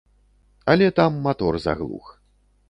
Але там матор заглух.